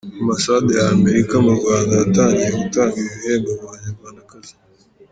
Ambasade ya Amerika mu Rwanda yatangiye gutanga ibi bihembo ku Banyarwandakazi.